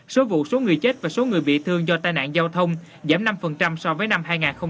số vụ số người chết và số người bị thương do tai nạn giao thông giảm năm so với năm hai nghìn một mươi tám